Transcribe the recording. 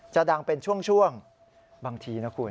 จะดังเป็นช่วงบางทีนะคุณ